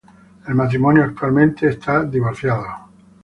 El matrimonio actualmente está divorciado.